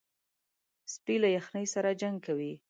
سپي له یخنۍ سره جنګ کوي.